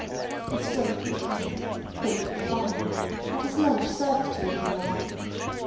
He stroked the cat, poked the fire, had his lunch served to him there.